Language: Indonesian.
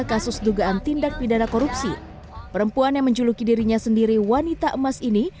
kasus dugaan tindak pidana korupsi perempuan yang menjuluki dirinya sendiri wanita emas ini